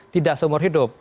tidak seumur hidup